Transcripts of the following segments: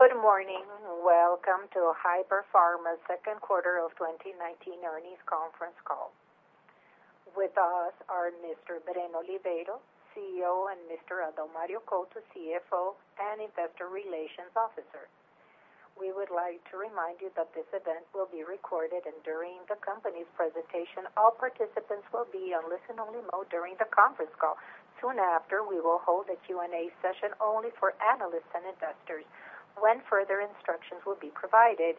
Good morning. Welcome to Hypera Pharma second quarter of 2019 earnings conference call. With us are Mr. Breno Oliveira, CEO, and Mr. Adalmario Couto, CFO and Investor Relations Officer. We would like to remind you that this event will be recorded, and during the company's presentation, all participants will be on listen-only mode during the conference call. Soon after, we will hold a Q&A session only for analysts and investors, when further instructions will be provided.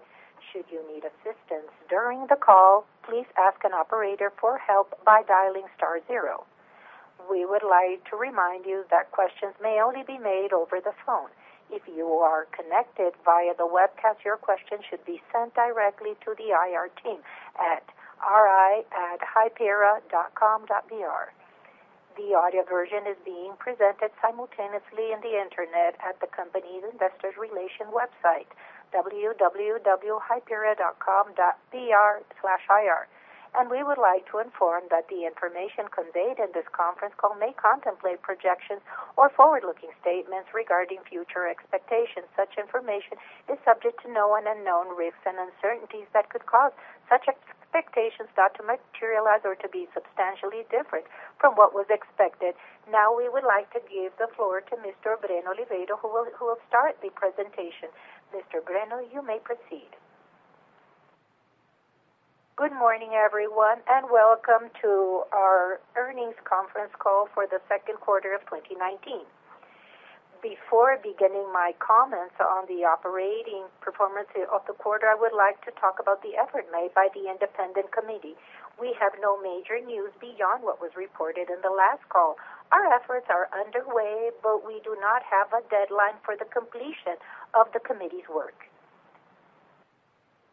Should you need assistance during the call, please ask an operator for help by dialing star zero. We would like to remind you that questions may only be made over the phone. If you are connected via the webcast, your questions should be sent directly to the IR team at ri@hypera.com.br. The audio version is being presented simultaneously on the internet at the company's Investor Relations website, www.hypera.com.br/ir. We would like to inform that the information conveyed in this conference call may contemplate projections or forward-looking statements regarding future expectations. Such information is subject to known and unknown risks and uncertainties that could cause such expectations not to materialize or to be substantially different from what was expected. Now, we would like to give the floor to Mr. Breno Oliveira, who will start the presentation. Mr. Breno, you may proceed. Good morning, everyone, and welcome to our earnings conference call for the second quarter of 2019. Before beginning my comments on the operating performance of the quarter, I would like to talk about the effort made by the independent committee. We have no major news beyond what was reported in the last call. Our efforts are underway, but we do not have a deadline for the completion of the committee's work.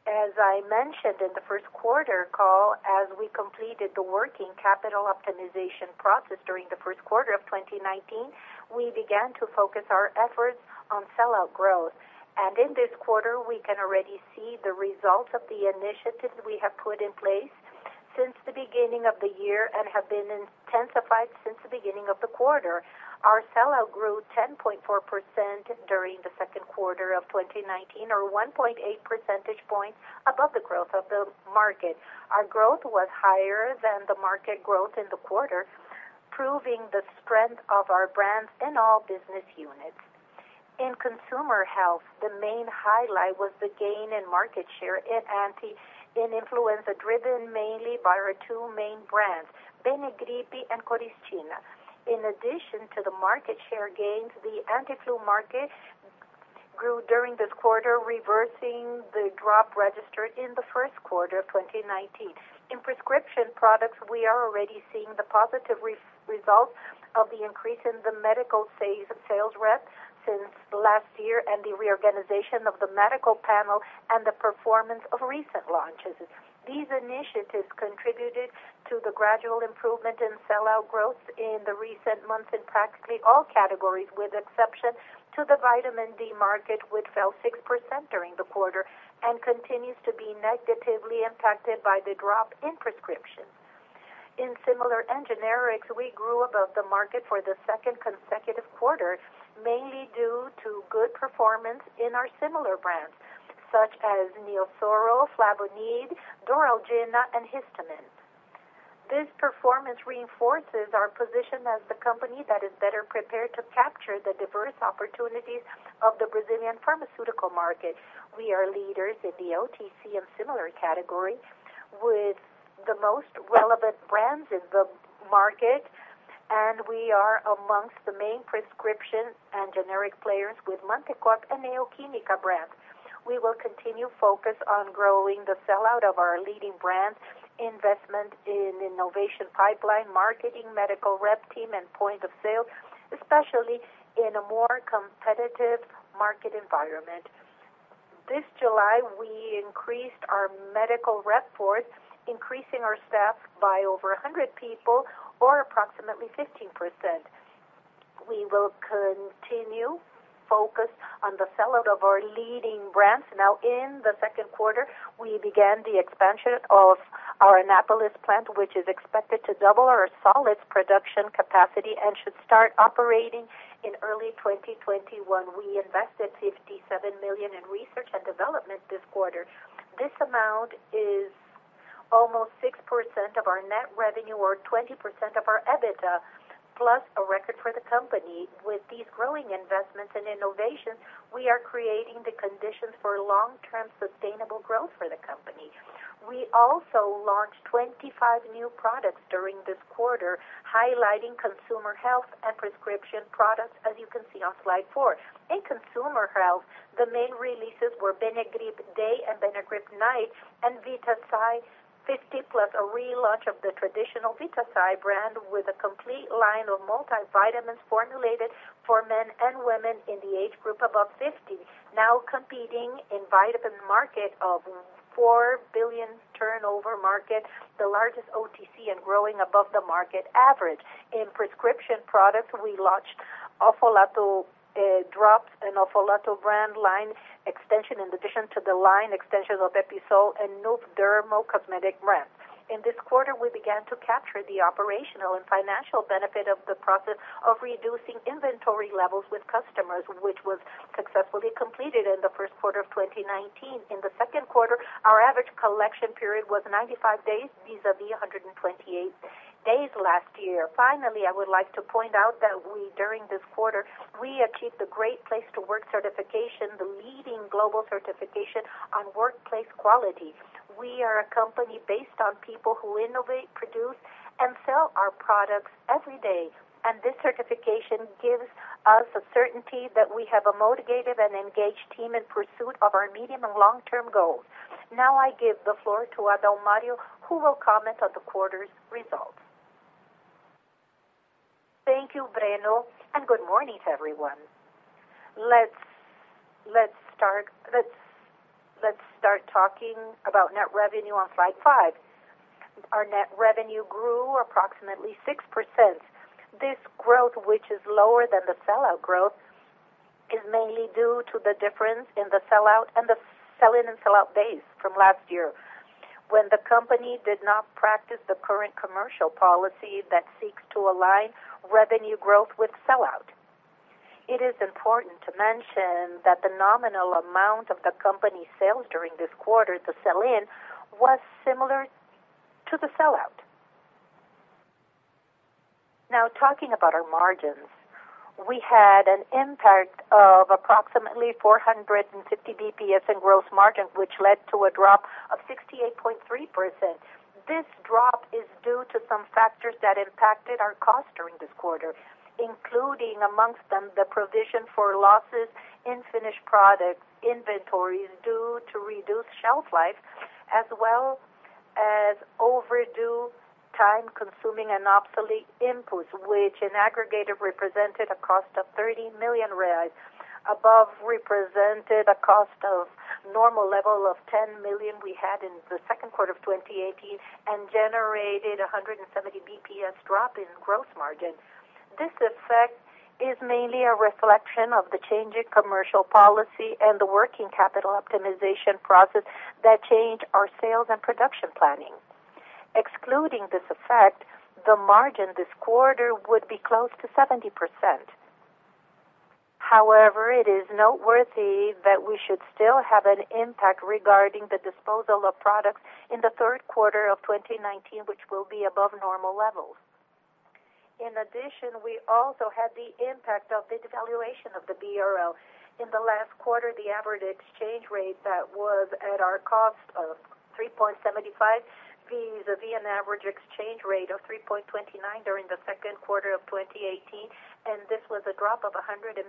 As I mentioned in the first quarter call, as we completed the working capital optimization process during the first quarter of 2019, we began to focus our efforts on sell-out growth. In this quarter, we can already see the results of the initiatives we have put in place since the beginning of the year and have been intensified since the beginning of the quarter. Our sell-out grew 10.4% during the second quarter of 2019, or 1.8 percentage points above the growth of the market. Our growth was higher than the market growth in the quarter, proving the strength of our brands in all business units. In consumer health, the main highlight was the gain in market share in influenza, driven mainly by our two main brands, Benegrip and Coristina. In addition to the market share gains, the anti-flu market grew during this quarter, reversing the drop registered in the first quarter of 2019. In prescription products, we are already seeing the positive results of the increase in the medical sales reps since last year and the reorganization of the medical panel and the performance of recent launches. These initiatives contributed to the gradual improvement in sell-out growth in the recent months in practically all categories, with exception to the vitamin D market, which fell 6% during the quarter and continues to be negatively impacted by the drop in prescription. In similar and generics, we grew above the market for the second consecutive quarter, mainly due to good performance in our similar brands, such as Neosoro, Flavonid, Doralgina, and Histamin. This performance reinforces our position as the company that is better prepared to capture the diverse opportunities of the Brazilian pharmaceutical market. We are leaders in the OTC and similar category with the most relevant brands in the market, and we are amongst the main prescription and generic players with Mantecorp and Neo Química brands. We will continue focus on growing the sell-out of our leading brands, investment in innovation pipeline, marketing, medical rep team, and point of sale, especially in a more competitive market environment. This July, we increased our medical rep force, increasing our staff by over 100 people or approximately 15%. We will continue focus on the sell-out of our leading brands. Now in the second quarter, we began the expansion of our Anápolis plant, which is expected to double our solids production capacity and should start operating in early 2021. We invested 57 million in research and development this quarter. This amount is almost 6% of our net revenue or 20% of our EBITDA, plus a record for the company. With these growing investments in innovation, we are creating the conditions for long-term sustainable growth for the company. We also launched 25 new products during this quarter, highlighting consumer health and prescription products, as you can see on slide four. In consumer health, the main releases were Benegrip Day and Benegrip Night, and Vitasay 50+, a relaunch of the traditional Vitasay brand with a complete line of multivitamins formulated for men and women in the age group above 50, now competing in vitamin market of 4 billion turnover market, the largest OTC, and growing above the market average. In prescription products, we launched Ofolato drops and Ofolato brand line extension in addition to the line extension of Episol and Nov Dermo cosmetic brands. In this quarter, we began to capture the operational and financial benefit of the process of reducing inventory levels with customers, which was successfully completed in the first quarter of 2019. In the second quarter, our average collection period was 95 days, vis-à-vis 128 days last year. Finally, I would like to point out that during this quarter, we achieved the Great Place to Work certification, the leading global certification on workplace quality. We are a company based on people who innovate, produce, and sell our products every day, and this certification gives us a certainty that we have a motivated and engaged team in pursuit of our medium and long-term goals. I give the floor to Adalmario, who will comment on the quarter's results. Thank you, Breno, and good morning, everyone. Let's start talking about net revenue on slide five. Our net revenue grew approximately 6%. This growth, which is lower than the sell-out growth, is mainly due to the difference in the sell-out and the sell-in and sell-out days from last year, when the company did not practice the current commercial policy that seeks to align revenue growth with sell-out. It is important to mention that the nominal amount of the company's sales during this quarter, the sell-in, was similar to the sell-out. Talking about our margins, we had an impact of approximately 450 BPS in gross margin, which led to a drop of 68.3%. This drop is due to some factors that impacted our cost during this quarter, including amongst them, the provision for losses in finished product inventories due to reduced shelf life, as well as overdue time-consuming and obsolete inputs, which in aggregate represented a cost of 30 million reais, above represented a cost of normal level of 10 million we had in the second quarter of 2018 and generated 170 basis points drop in gross margin. This effect is mainly a reflection of the change in commercial policy and the working capital optimization process that changed our sales and production planning. Excluding this effect, the margin this quarter would be close to 70%. However, it is noteworthy that we should still have an impact regarding the disposal of products in the third quarter of 2019, which will be above normal levels. In addition, we also had the impact of the devaluation of the BRL. In the last quarter, the average exchange rate that was at our cost of 3.75 vis-à-vis an average exchange rate of 3.29 during the second quarter of 2018, this was a drop of 120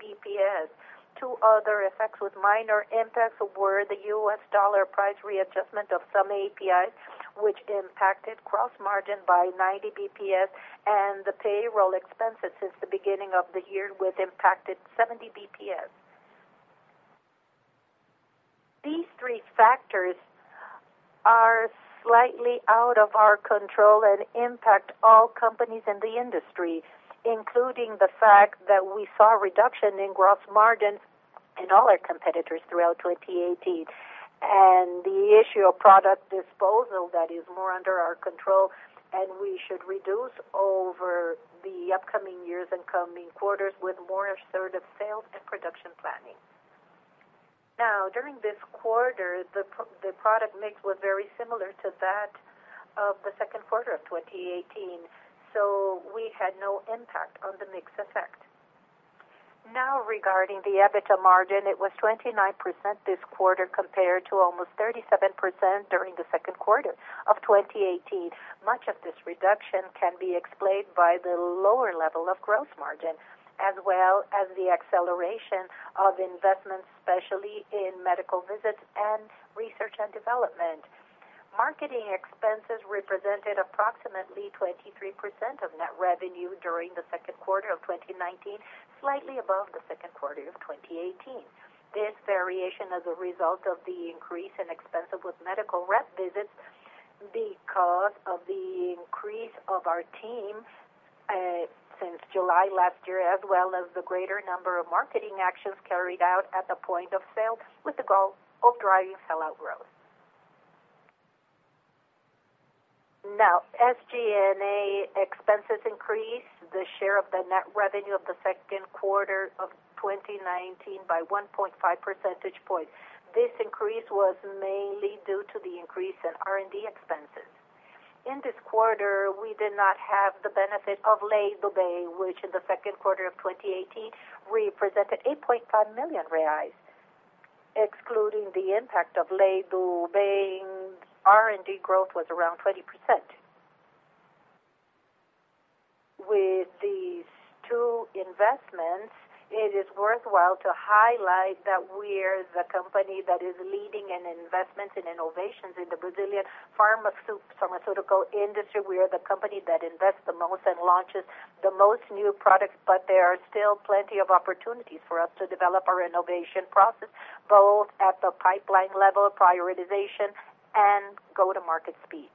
basis points. Two other effects with minor impacts were the U.S. dollar price readjustment of some APIs, which impacted gross margin by 90 basis points, and the payroll expenses since the beginning of the year, which impacted 70 basis points. These three factors are slightly out of our control and impact all companies in the industry, including the fact that we saw a reduction in gross margins in all our competitors throughout 2018. The issue of product disposal, that is more under our control, and we should reduce over the upcoming years and coming quarters with more assertive sales and production planning. Now, during this quarter, the product mix was very similar to that of the second quarter of 2018, so we had no impact on the mix effect. Now, regarding the EBITDA margin, it was 29% this quarter compared to almost 37% during the second quarter of 2018. Much of this reduction can be explained by the lower level of gross margin, as well as the acceleration of investments, especially in medical visits and research and development. Marketing expenses represented approximately 23% of net revenue during the second quarter of 2019, slightly above the second quarter of 2018. This variation is a result of the increase in expenses with medical rep visits because of the increase of our team since July last year, as well as the greater number of marketing actions carried out at the point of sale with the goal of driving sell-out growth. SG&A expenses increased the share of the net revenue of the second quarter of 2019 by 1.5 percentage points. This increase was mainly due to the increase in R&D expenses. In this quarter, we did not have the benefit of Lei do Bem, which in the second quarter of 2018 represented 8.5 million reais. Excluding the impact of Lei do Bem, R&D growth was around 20%. With these two investments, it is worthwhile to highlight that we're the company that is leading in investments in innovations in the Brazilian pharmaceutical industry. We are the company that invests the most and launches the most new products, but there are still plenty of opportunities for us to develop our innovation process, both at the pipeline level prioritization and go-to-market speed.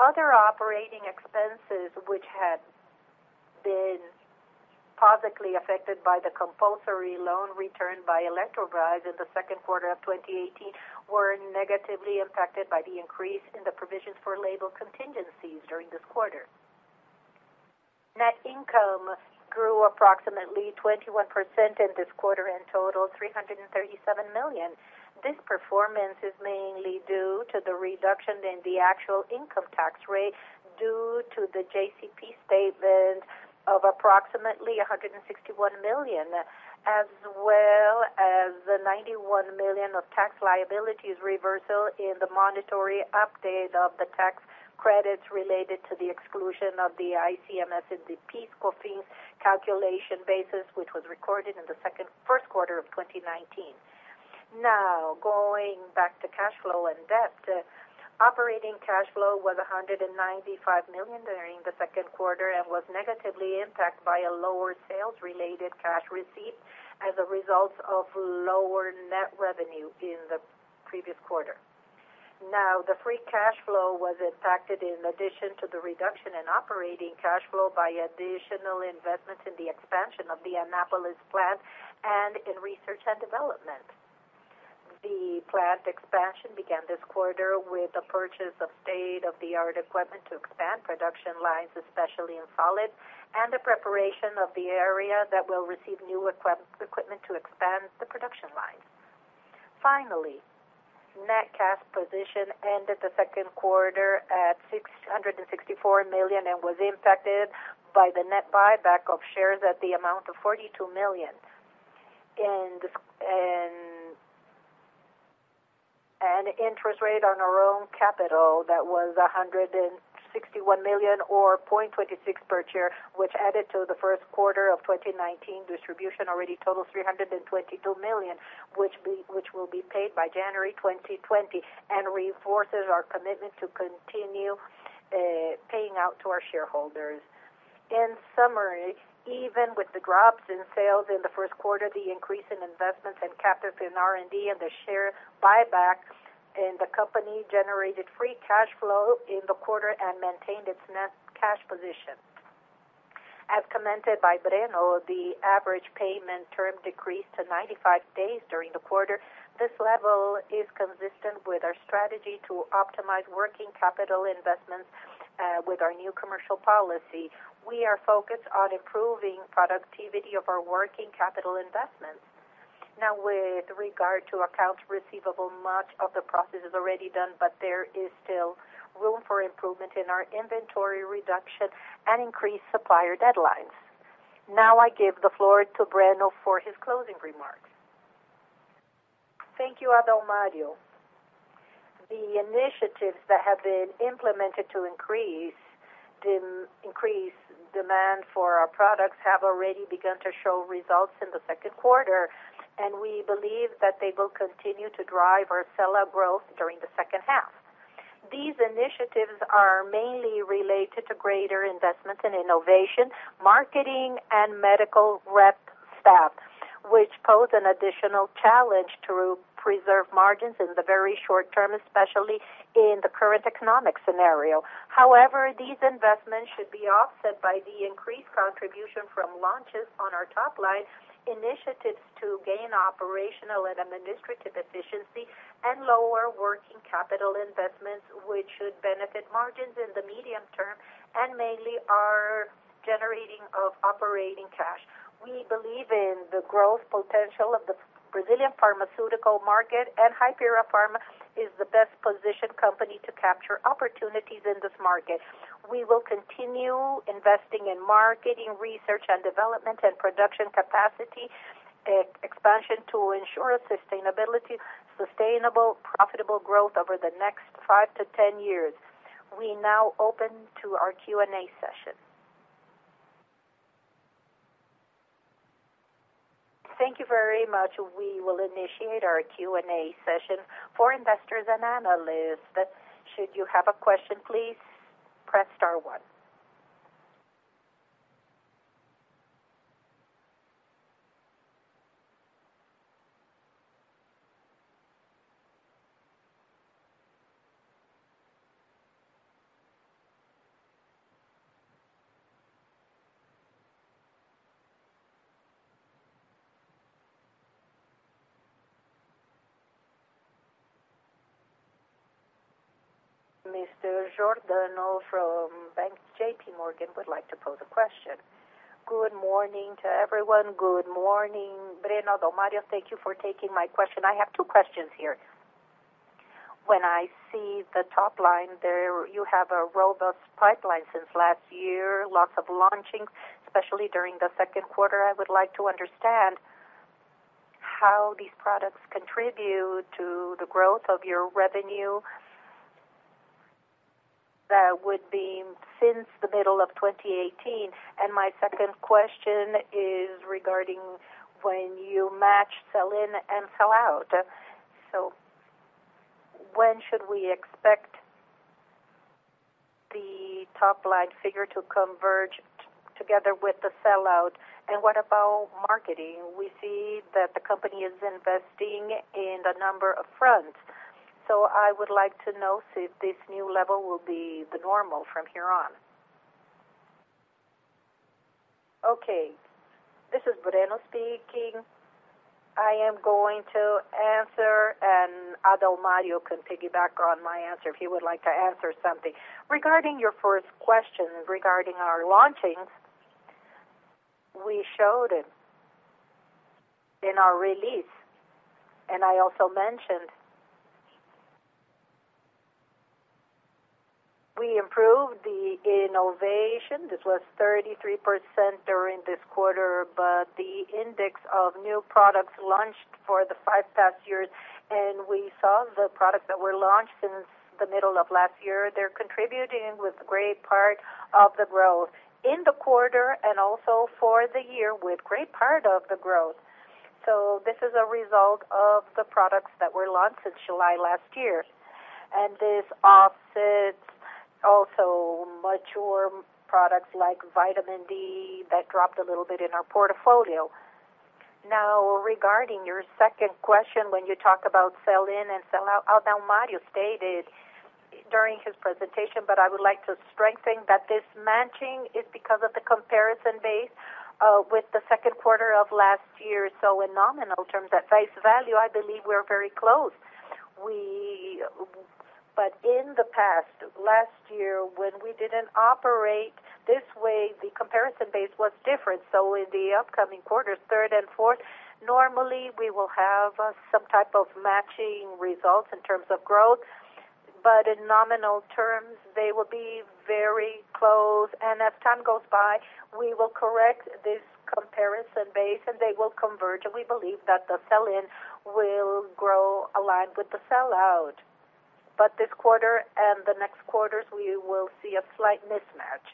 Other operating expenses, which had been positively affected by the compulsory loan return by Eletrobras in the second quarter of 2018, were negatively impacted by the increase in the provisions for legal contingencies during this quarter. Net income grew approximately 21% in this quarter and totaled 337 million. This performance is mainly due to the reduction in the actual income tax rate due to the JCP statement of approximately 161 million, as well as the 91 million of tax liabilities reversal in the monetary update of the tax credits related to the exclusion of the ICMS and the PIS/COFINS calculation basis, which was recorded in the first quarter of 2019. Now, going back to cash flow and debt. Operating cash flow was 195 million during the second quarter and was negatively impacted by a lower sales-related cash receipt as a result of lower net revenue in the previous quarter. The free cash flow was impacted in addition to the reduction in operating cash flow by additional investments in the expansion of the Anápolis plant and in research and development. The plant expansion began this quarter with the purchase of state-of-the-art equipment to expand production lines, especially in solid, and the preparation of the area that will receive new equipment to expand the production lines. Finally, net cash position ended the second quarter at 664 million and was impacted by the net buyback of shares at the amount of 42 million. Interest rate on our own capital, that was 161 million or 0.26 per share, which added to the first quarter of 2019 distribution already totals 322 million, which will be paid by January 2020 and reinforces our commitment to continue paying out to our shareholders. In summary, even with the drops in sales in the first quarter, the increase in investments in capital in R&D and the share buyback, the company generated free cash flow in the quarter and maintained its net cash position. As commented by Breno, the average payment term decreased to 95 days during the quarter. This level is consistent with our strategy to optimize working capital investments with our new commercial policy. We are focused on improving productivity of our working capital investments. With regard to accounts receivable, much of the process is already done, but there is still room for improvement in our inventory reduction and increased supplier deadlines. I give the floor to Breno for his closing remarks. Thank you. Adalmario. The initiatives that have been implemented to increase demand for our products have already begun to show results in the second quarter. We believe that they will continue to drive our sell-out growth during the second half. These initiatives are mainly related to greater investments in innovation, marketing, and medical rep staff, which pose an additional challenge to preserve margins in the very short term, especially in the current economic scenario. These investments should be offset by the increased contribution from launches on our top line, initiatives to gain operational and administrative efficiency, and lower working capital investments, which should benefit margins in the medium term and mainly our generating of operating cash. We believe in the growth potential of the Brazilian pharmaceutical market. Hypera Pharma is the best-positioned company to capture opportunities in this market. We will continue investing in marketing, research and development, and production capacity expansion to ensure sustainable profitable growth over the next five to 10 years. We now open to our Q&A session. Thank you very much. We will initiate our Q&A session for investors and analysts. Should you have a question, please press star one. Mr. Giordano from bank JPMorgan would like to pose a question. Good morning to everyone. Good morning, Breno, Adalmario. Thank you for taking my question. I have two questions here. When I see the top line there, you have a robust pipeline since last year, lots of launching, especially during the second quarter. I would like to understand how these products contribute to the growth of your revenue. That would be since the middle of 2018. My second question is regarding when you match sell-in and sell-out. When should we expect the top-line figure to converge together with the sellout, and what about marketing? We see that the company is investing in a number of fronts. I would like to know if this new level will be the normal from here on. Okay. This is Breno speaking. I am going to answer, and Adalmario can piggyback on my answer if he would like to answer something. Regarding your first question regarding our launching, we showed it in our release, and I also mentioned we improved the innovation. This was 33% during this quarter, but the index of new products launched for the five past years, and we saw the products that were launched since the middle of last year. They're contributing with great part of the growth in the quarter and also for the year, with great part of the growth. This is a result of the products that were launched since July last year. This offsets also mature products like vitamin D that dropped a little bit in our portfolio. Now, regarding your second question, when you talk about sell-in and sell-out, Adalmario stated during his presentation, but I would like to strengthen that this matching is because of the comparison base, with the second quarter of last year. In nominal terms, at face value, I believe we're very close. In the past, last year, when we didn't operate this way, the comparison base was different. In the upcoming quarters, third and fourth, normally we will have some type of matching results in terms of growth. In nominal terms, they will be very close. As time goes by, we will correct this comparison base, and they will converge. We believe that the sell-in will grow aligned with the sell-out. This quarter and the next quarters, we will see a slight mismatch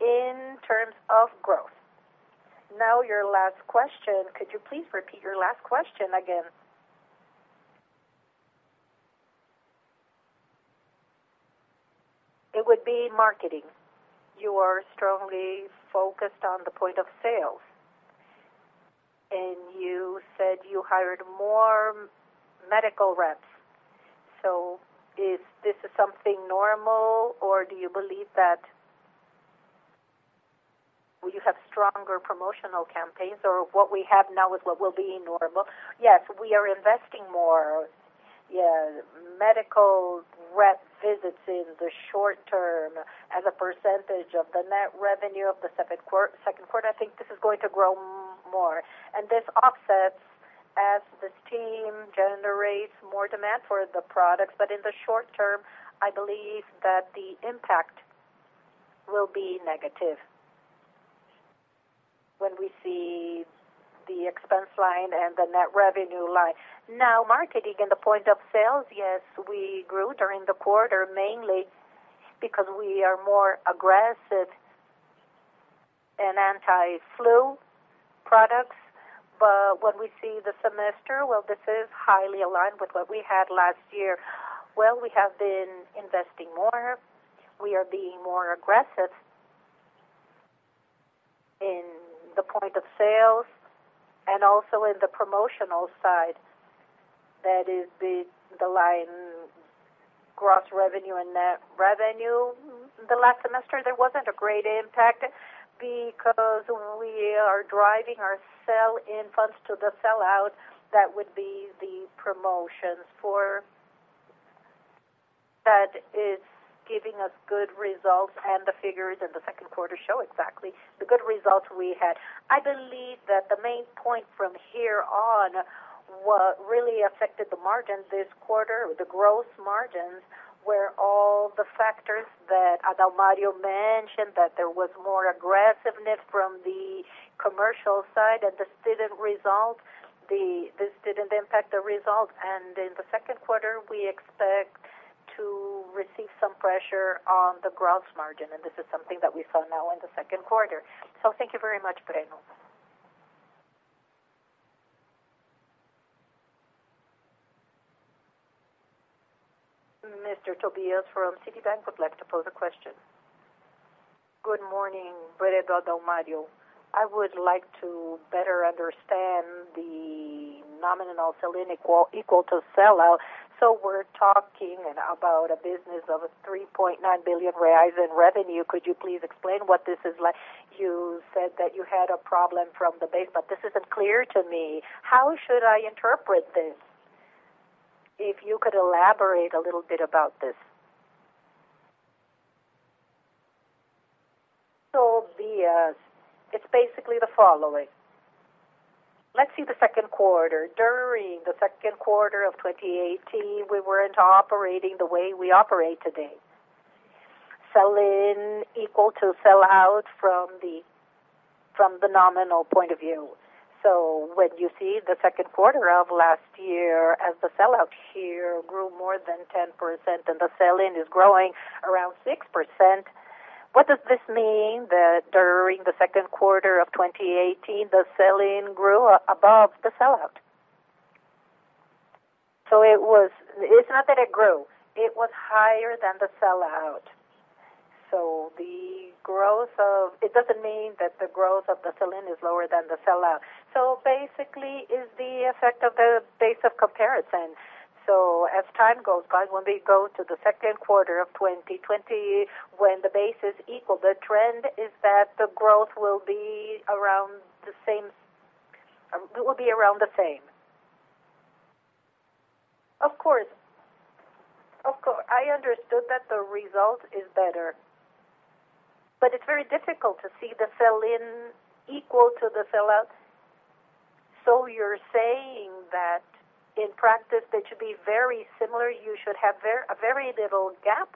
in terms of growth. Your last question. Could you please repeat your last question again? It would be marketing. You are strongly focused on the point of sale, and you said you hired more medical reps. Is this something normal, or do you believe that you have stronger promotional campaigns, or what we have now is what will be normal? We are investing more medical rep visits in the short term as a percentage of the net revenue of the second quarter. I think this is going to grow more. This offsets as this team generates more demand for the products. In the short term, I believe that the impact will be negative when we see the expense line and the net revenue line. Marketing and the point of sales, yes, we grew during the quarter, mainly because we are more aggressive in anti-flu products. When we see the semester, well, this is highly aligned with what we had last year. Well, we have been investing more. We are being more aggressive in the point of sales and also in the promotional side. That is the line gross revenue and net revenue. The last semester, there wasn't a great impact because when we are driving our sell-in funds to the sellout. That is giving us good results, and the figures in the second quarter show exactly the good results we had. I believe that the main point from here on, what really affected the margins this quarter, the gross margins, were all the factors that Adalmario mentioned, that there was more aggressiveness from the commercial side, this didn't impact the results. In the second quarter, we expect to receive some pressure on the gross margin, this is something that we saw now in the second quarter. Thank you very much, Breno. Mr. Tobias from Citibank would like to pose a question. Good morning, Breno, Adalmario. I would like to better understand the nominal sell-in equal to sell-out. We're talking about a business of 3.9 billion reais in revenue. Could you please explain what this is like? You said that you had a problem from the base, this isn't clear to me. How should I interpret this? If you could elaborate a little bit about this. Tobias, it's basically the following. Let's see the second quarter. During the second quarter of 2018, we weren't operating the way we operate today. Sell-in equal to sell-out from the nominal point of view. When you see the second quarter of last year as the sell-out here grew more than 10% and the sell-in is growing around 6%, what does this mean that during the second quarter of 2018, the sell-in grew above the sell-out? It's not that it grew. It was higher than the sell-out. It doesn't mean that the growth of the sell-in is lower than the sell-out. Basically, is the effect of the base of comparison. As time goes by, when we go to the second quarter of 2020, when the base is equal, the trend is that the growth will be around the same. Of course. I understood that the result is better. It's very difficult to see the sell-in equal to the sellout. You're saying that in practice, they should be very similar. You should have a very little gap.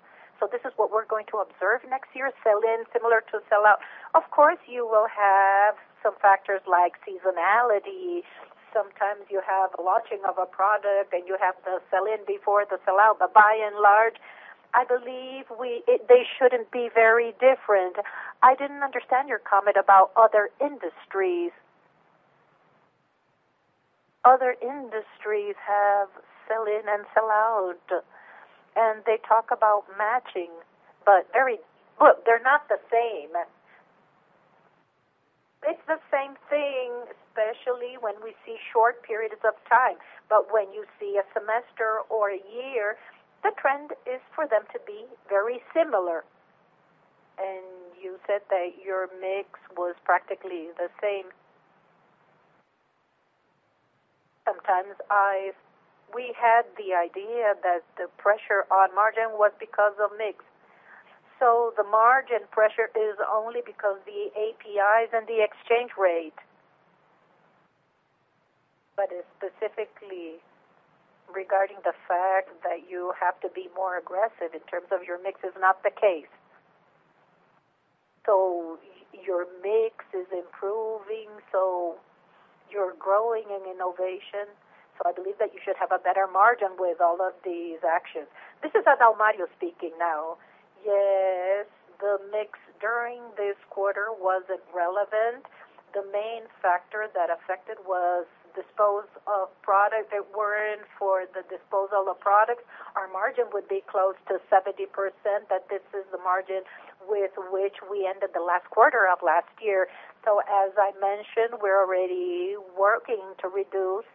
This is what we're going to observe next year, sell-in similar to sell out. Of course, you will have some factors like seasonality. Sometimes you have launching of a product and you have the sell-in before the sell out, but by and large, I believe they shouldn't be very different. I didn't understand your comment about other industries. Other industries have sell-in and sell out, and they talk about matching. They're not the same. It's the same thing, especially when we see short periods of time. When you see a semester or a year, the trend is for them to be very similar. You said that your mix was practically the same. Sometimes we had the idea that the pressure on margin was because of mix. The margin pressure is only because the APIs and the exchange rate. Specifically regarding the fact that you have to be more aggressive in terms of your mix is not the case. Your mix is improving, so you're growing in innovation. I believe that you should have a better margin with all of these actions. This is Adalmario speaking now. Yes, the mix during this quarter wasn't relevant. The main factor that affected was disposal of products that weren't for the disposal of products. Our margin would be close to 70%, that this is the margin with which we ended the last quarter of last year. As I mentioned, we're already working to reduce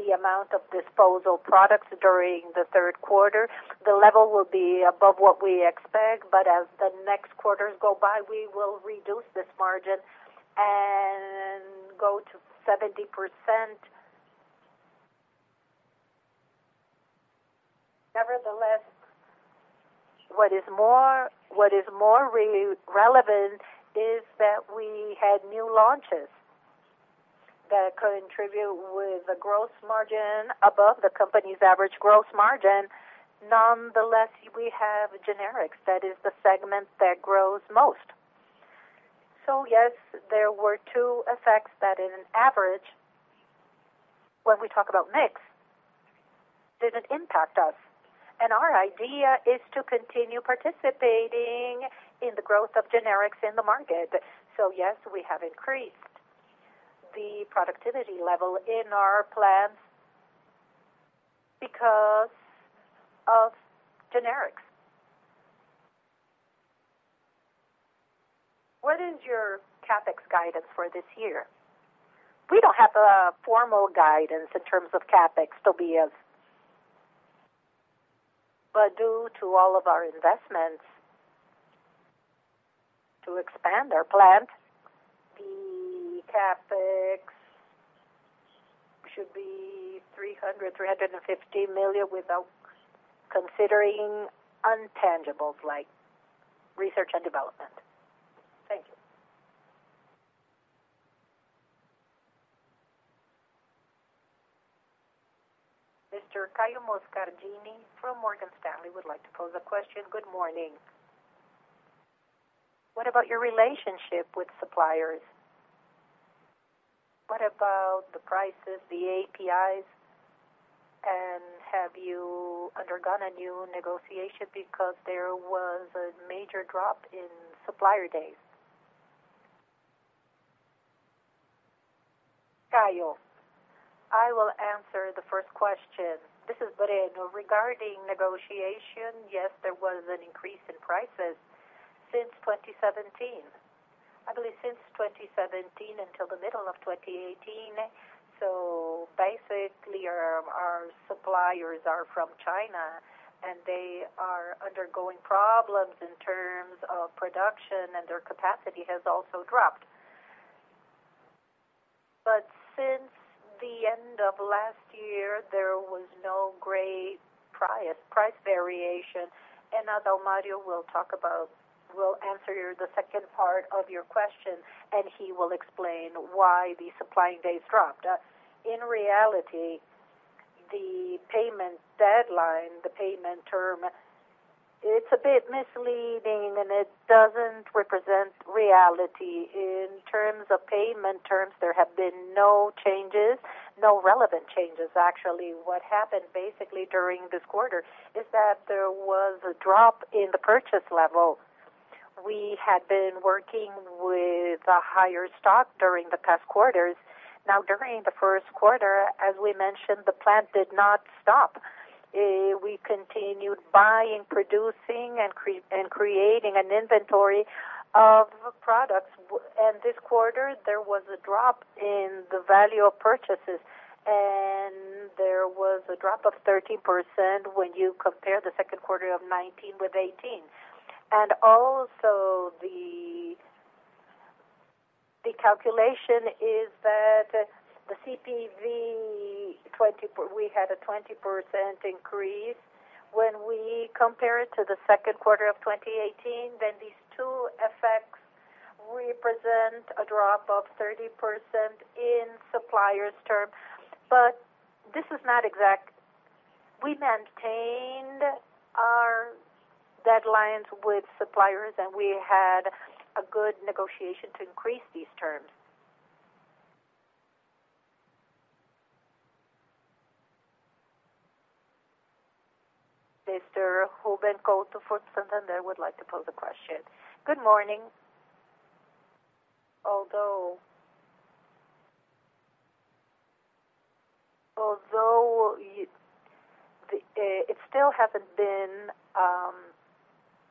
the amount of disposal products during the third quarter. The level will be above what we expect, as the next quarters go by, we will reduce this margin and go to 70%. What is more relevant is that we had new launches that contribute with the gross margin above the company's average gross margin. We have generics. That is the segment that grows most. Yes, there were two effects that in average, when we talk about mix, didn't impact us. Our idea is to continue participating in the growth of generics in the market. Yes, we have increased the productivity level in our plants because of generics. What is your CapEx guidance for this year? We don't have a formal guidance in terms of CapEx, Tobias. Due to all of our investments to expand our plant, the CapEx should be 300 million-350 million without considering intangibles like research and development. Thank you. Mr. Caio Moscardini from Morgan Stanley would like to pose a question. Good morning. What about your relationship with suppliers? What about the prices, the APIs, and have you undergone a new negotiation because there was a major drop in supplier days? Caio, I will answer the first question. This is Maria. Regarding negotiation, yes, there was an increase in prices since 2017. I believe since 2017 until the middle of 2018. Basically, our suppliers are from China, and they are undergoing problems in terms of production, and their capacity has also dropped. Since the end of last year, there was no great price variation. Adalmario will answer the second part of your question, he will explain why the supplying days dropped. The payment deadline, the payment term, it's a bit misleading, and it doesn't represent reality. In terms of payment terms, there have been no changes, no relevant changes, actually. What happened basically during this quarter is that there was a drop in the purchase level. We had been working with a higher stock during the past quarters. During the first quarter, as we mentioned, the plant did not stop. We continued buying, producing, and creating an inventory of products. This quarter, there was a drop in the value of purchases, and there was a drop of 13% when you compare the second quarter of 2019 with 2018. Also, the calculation is that the CPV, we had a 20% increase. When we compare it to the second quarter of 2018, these two effects represent a drop of 30% in suppliers term. This is not exact. We maintained our deadlines with suppliers, and we had a good negotiation to increase these terms. Mr. Ruben Couto from Santander would like to pose a question. Good morning. Although it still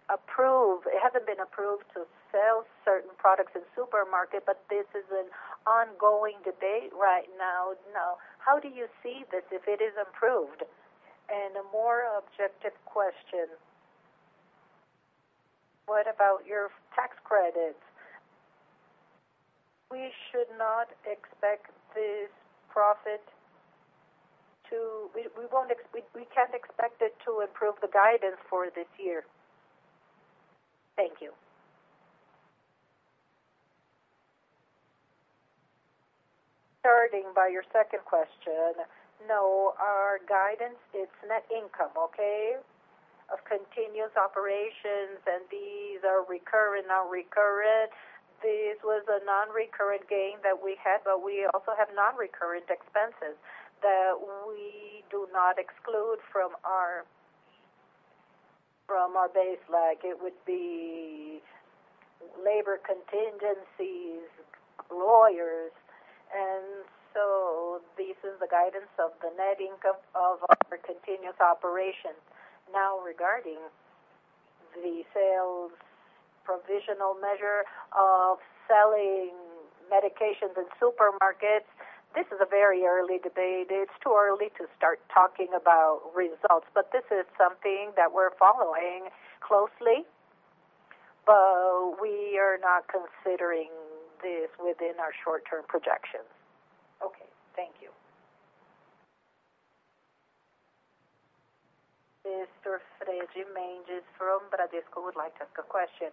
hasn't been approved to sell certain products in supermarket, this is an ongoing debate right now. Now, how do you see this if it is approved? A more objective question, what about your tax credits? We can't expect it to improve the guidance for this year. Thank you. Starting by your second question, no, our guidance, it's net income, okay? Of continuous operations, these are recurrent, non-recurrent. This was a non-recurrent gain that we had, but we also have non-recurrent expenses that we do not exclude from our base, like it would be labor contingencies, lawyers. This is the guidance of the net income of our continuous operations. Regarding the sales provisional measure of selling medications in supermarkets, this is a very early debate. It's too early to start talking about results, but this is something that we're following closely. We are not considering this within our short-term projections. Okay. Thank you. Mr. Fred Mendes from Bradesco would like to ask a question.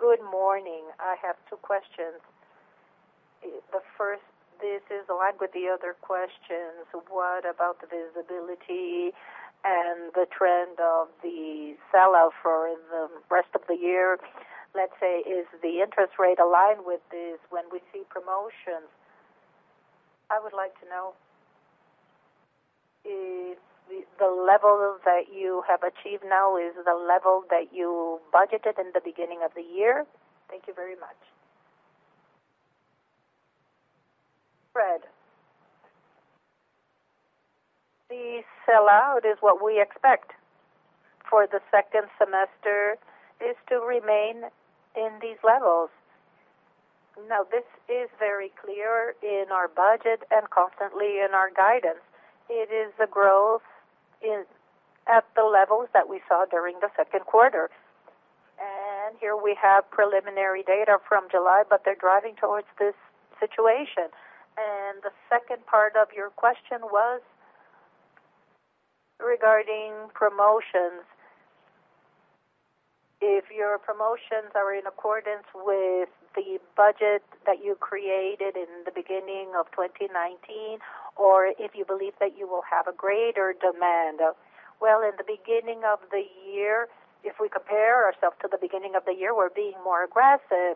Good morning. I have two questions. The first, this is along with the other questions. What about the visibility and the trend of the sell-out for the rest of the year? Let's say, is the interest rate aligned with this when we see promotions? I would like to know, the level that you have achieved now, is the level that you budgeted in the beginning of the year? Thank you very much. Fred. The sellout is what we expect for the second semester, is to remain in these levels. This is very clear in our budget and constantly in our guidance. It is a growth at the levels that we saw during the second quarter. Here we have preliminary data from July, but they're driving towards this situation. The second part of your question was regarding promotions. If your promotions are in accordance with the budget that you created in the beginning of 2019, or if you believe that you will have a greater demand. Well, in the beginning of the year, if we compare ourselves to the beginning of the year, we're being more aggressive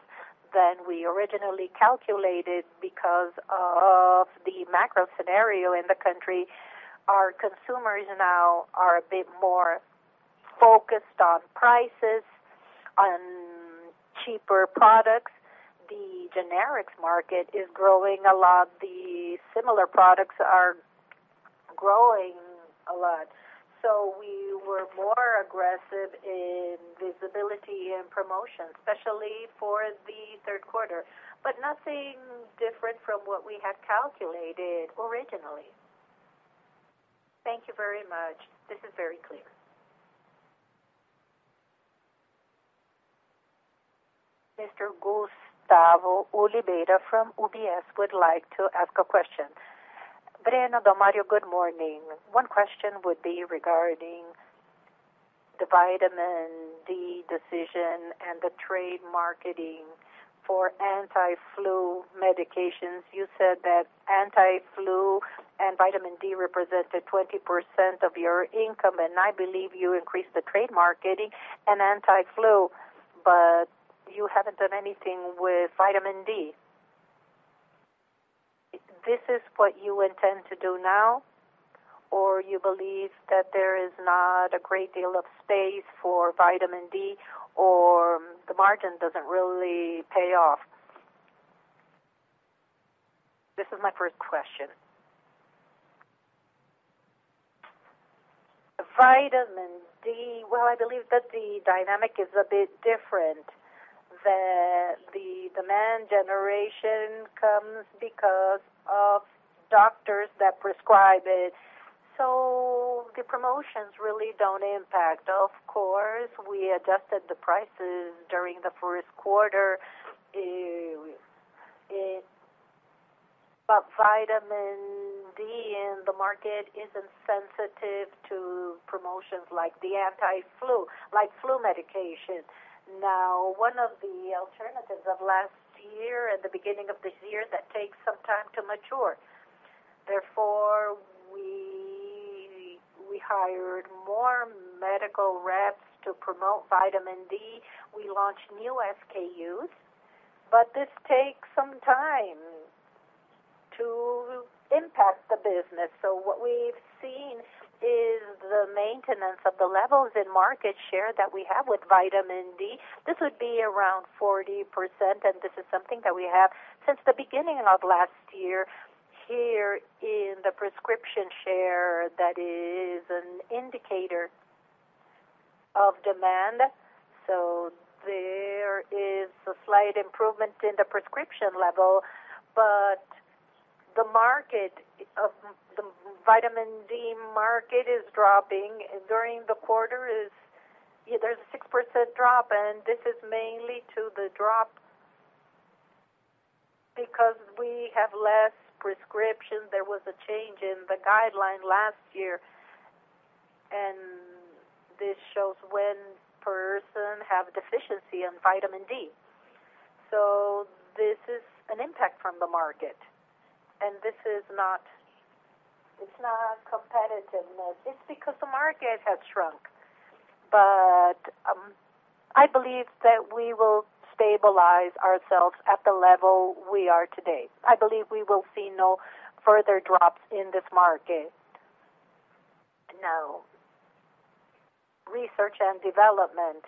than we originally calculated because of the macro scenario in the country. Our consumers now are a bit more focused on prices and cheaper products. The generics market is growing a lot. The similar products are growing a lot. We were more aggressive in visibility and promotion, especially for the third quarter. Nothing different from what we had calculated originally. Thank you very much. This is very clear. Mr. Gustavo Oliveira from UBS would like to ask a question. Breno, Adalmario, good morning. One question would be regarding the vitamin D decision and the trade marketing for anti-flu medications. You said that anti-flu and vitamin D represented 20% of your income. I believe you increased the trade marketing and anti-flu, you haven't done anything with vitamin D. This is what you intend to do now, you believe that there is not a great deal of space for vitamin D, the margin doesn't really pay off? This is my first question. Vitamin D, well, I believe that the dynamic is a bit different. The demand generation comes because of doctors that prescribe it. The promotions really don't impact. Of course, we adjusted the prices during the first quarter. Vitamin D in the market isn't sensitive to promotions like the anti-flu, like flu medications. One of the alternatives of last year and the beginning of this year that takes some time to mature. We hired more medical reps to promote vitamin D. We launched new SKUs. This takes some time to impact the business. What we've seen is the maintenance of the levels in market share that we have with vitamin D. This would be around 40%, and this is something that we have since the beginning of last year, here in the prescription share that is an indicator of demand. There is a slight improvement in the prescription level, but the vitamin D market is dropping. During the quarter, there's a 6% drop, and this is mainly to the drop because we have less prescriptions. There was a change in the guideline last year, and this shows when person have deficiency in vitamin D. This is an impact from the market. This is not competitive. It's because the market has shrunk. I believe that we will stabilize ourselves at the level we are today. I believe we will see no further drops in this market. Research and development.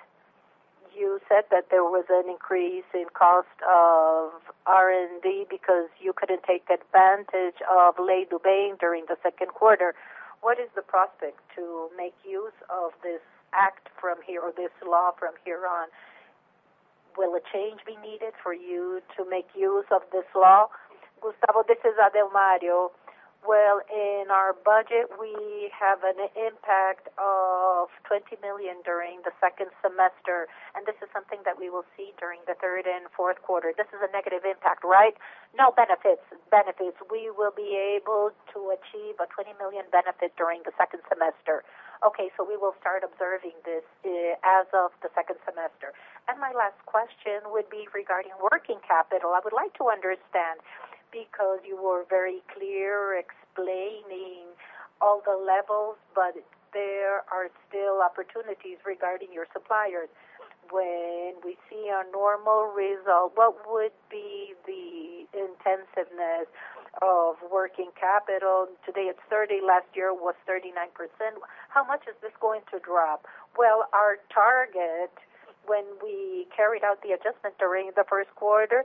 You said that there was an increase in cost of R&D because you couldn't take advantage of Lei do Bem during the second quarter. What is the prospect to make use of this act from here or this law from here on? Will a change be needed for you to make use of this law? Gustavo, this is Adalmario. Well, in our budget, we have an impact of 20 million during the second semester, this is something that we will see during the third and fourth quarter. This is a negative impact, right? No benefits. We will be able to achieve a 20 million benefit during the second semester. Okay, we will start observing this as of the second semester. My last question would be regarding working capital. I would like to understand, because you were very clear explaining all the levels, but there are still opportunities regarding your suppliers. When we see a normal result, what would be the intensiveness of working capital? Today it is 30%, last year was 39%. How much is this going to drop? Well, our target, when we carried out the adjustment during the first quarter,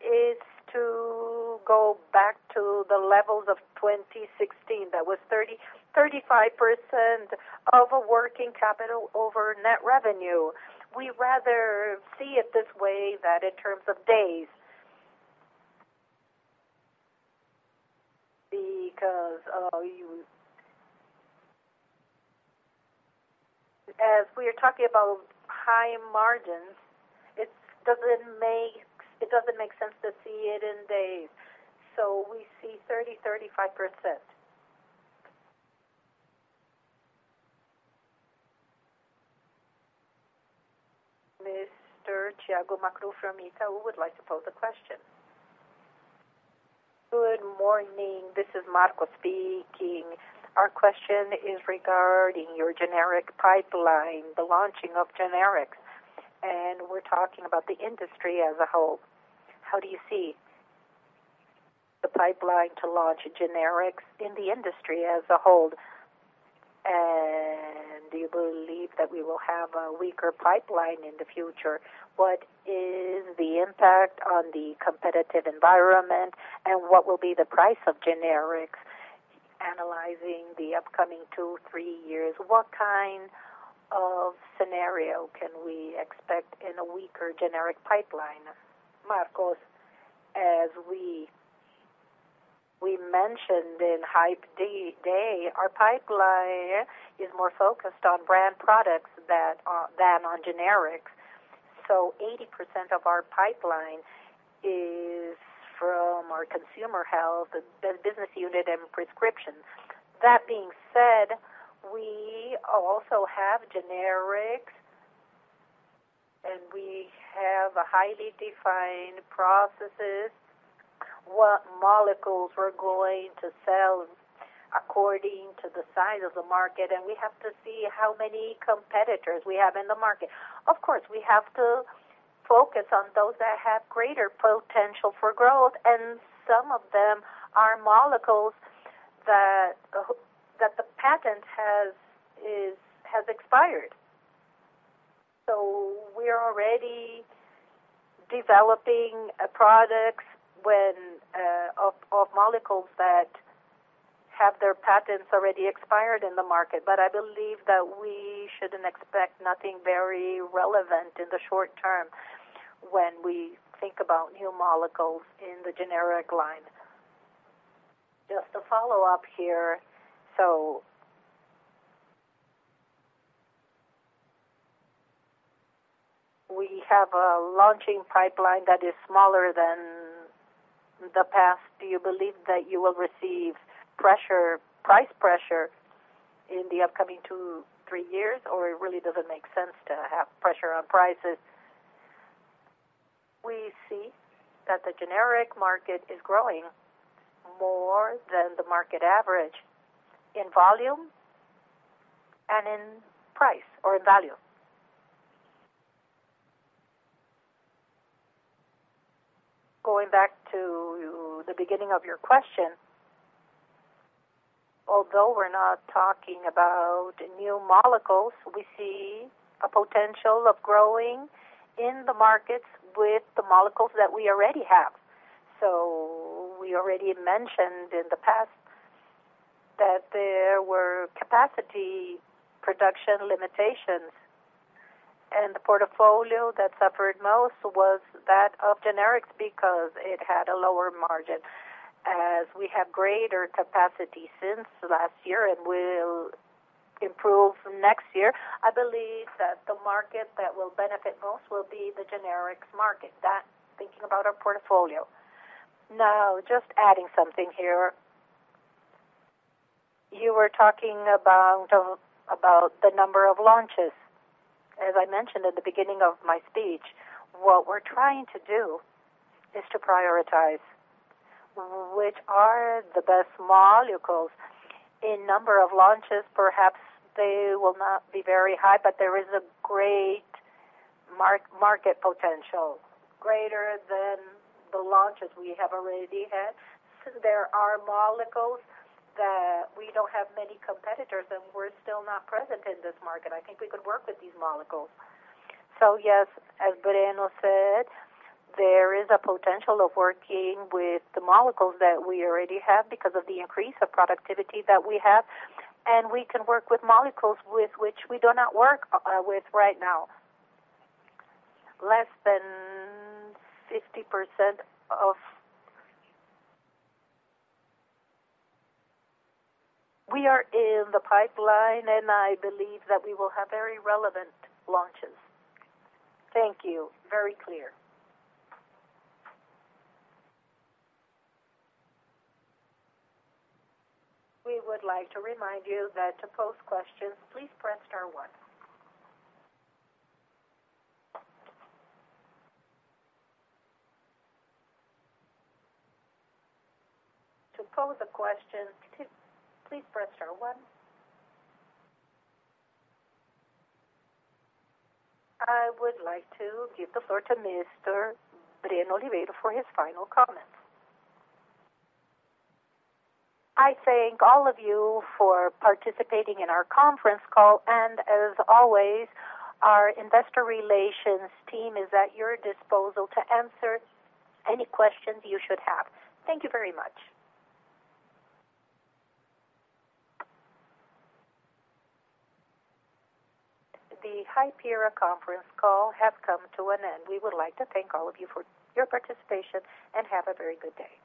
is to go back to the levels of 2016. That was 35% of a working capital over net revenue. We would rather see it this way that in terms of days. As we are talking about high margins, it does not make sense to see it in days. We see 30%, 35%. Mr. Thiago Macruz from Itaú would like to pose a question. Good morning. This is Macruz speaking. Our question is regarding your generic pipeline, the launching of generics. We're talking about the industry as a whole. How do you see the pipeline to launch generics in the industry as a whole? Do you believe that we will have a weaker pipeline in the future? What is the impact on the competitive environment, and what will be the price of generics analyzing the upcoming two, three years? What kind of scenario can we expect in a weaker generic pipeline? Macruz, as we mentioned in Hype Day, our pipeline is more focused on brand products than on generics. 80% of our pipeline is from our consumer health, the business unit, and prescriptions. That being said, we also have generics, and we have highly defined processes, what molecules we're going to sell according to the size of the market. We have to see how many competitors we have in the market. Of course, we have to focus on those that have greater potential for growth, and some of them are molecules that the patent has expired. We are already developing products of molecules that have their patents already expired in the market. I believe that we shouldn't expect nothing very relevant in the short term when we think about new molecules in the generic line. Just a follow-up here. We have a launching pipeline that is smaller than the past. Do you believe that you will receive price pressure in the upcoming two, three years, or it really doesn't make sense to have pressure on prices? We see that the generic market is growing more than the market average in volume and in price or in value. Going back to the beginning of your question, although we're not talking about new molecules, we see a potential of growing in the markets with the molecules that we already have. We already mentioned in the past that there were capacity production limitations, and the portfolio that suffered most was that of generics because it had a lower margin. We have greater capacity since last year and will improve next year, I believe that the market that will benefit most will be the generics market. That, thinking about our portfolio. Just adding something here. You were talking about the number of launches. As I mentioned at the beginning of my speech, what we're trying to do is to prioritize which are the best molecules. In number of launches, perhaps they will not be very high, but there is a great market potential, greater than the launches we have already had. There are molecules that we don't have many competitors, and we're still not present in this market. I think we could work with these molecules. Yes, as Breno said, there is a potential of working with the molecules that we already have because of the increase of productivity that we have, and we can work with molecules with which we do not work with right now. We are in the pipeline, and I believe that we will have very relevant launches. Thank you. Very clear. We would like to remind you that to pose questions, please press star one. To pose a question, please press star one. I would like to give the floor to Mr. Breno Oliveira for his final comments. I thank all of you for participating in our conference call, and as always, our investor relations team is at your disposal to answer any questions you should have. Thank you very much. The Hypera conference call has come to an end. We would like to thank all of you for your participation, and have a very good day.